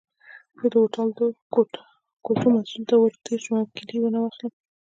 زه د هوټل د کوټو مسؤل ته ورتېر شم او کیلۍ ورنه واخلم.